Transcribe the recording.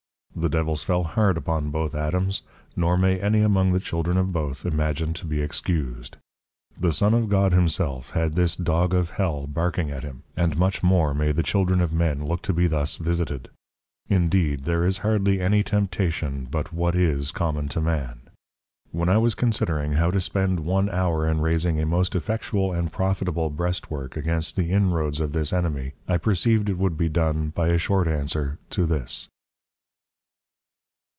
_ The Devils fell hard upon both Adams, nor may any among the Children of both, imagine to be excused. The Son of God Himself, had this Dog of Hell, barking at Him; and much more may the Children of Men, look to be thus Visited; indeed, there is hardly any Temptation, but what is, Common to Man. When I was considering, how to spend one Hour in Raising a most Effectual and Profitable Breast work, against the inroads of this Enemy, I perceived it would be done, by a short answer to this.